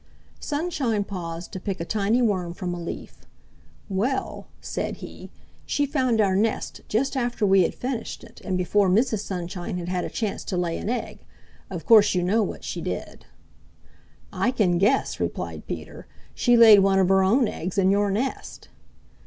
Sunshine paused to pick a tiny worm from a leaf. "Well," said he, "she found our nest just after we had finished it and before Mrs. Sunshine had had a chance to lay an egg. Of course you know what she did." "I can guess," replied Peter. "She laid one of her own eggs in your nest."